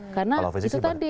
karena itu tadi